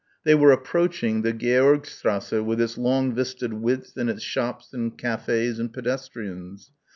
They were approaching the Georgstrasse with its long vistaed width and its shops and cafés and pedestrians.